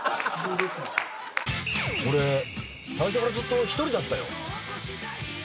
「俺最初からずっと１人だったよ」ってね！